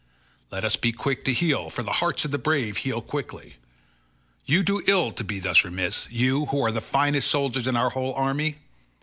Let us be quick to heal, for the hearts of the brave heal quickly. You do ill to be thus remiss, you, who are the finest soldiers in our whole army.